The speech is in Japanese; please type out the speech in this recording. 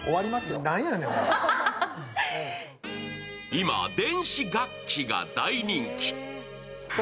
今、電子楽器が大人気。